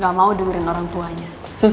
gak mau dengerin orang tuanya